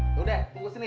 udah deh tunggu sini ya